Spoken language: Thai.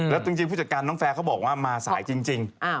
แล้วจริงผู้จัดการน้องแฟร์เขาบอกว่ามาสายจริง